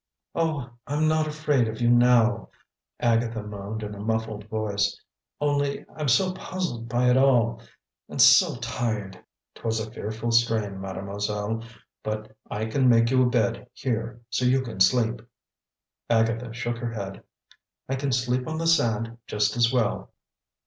"Oh, I'm not afraid of you now," Agatha moaned in a muffled voice. "Only I'm so puzzled by it all and so tired!" "'Twas a fearful strain, Mademoiselle. But I can make you a bed here, so you can sleep." Agatha shook her head. "I can sleep on the sand, just as well."